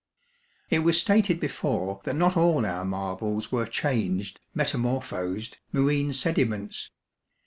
It was stated before that not all our marbles were changed (metamorphosed) marine sediments.